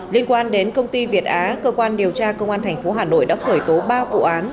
liên quan đến công ty việt á cơ quan điều tra công an tp hà nội đã khởi tố ba vụ án